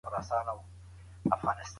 ځینې باکتریاوې ګټورې دي.